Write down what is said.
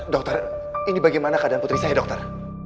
dokter ini bagaimana keadaan putri saya dokter